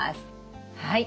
はい。